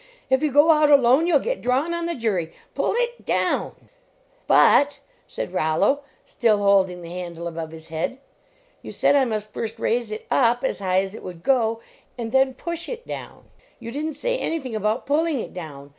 If you go out alone you ll get drawn on the jury. Pull it down !" But," said Rollo, still holding the handle above his head, " you said I must first raise it up as high as it would go, and then push it down; you didn t say anything about pull ing it down.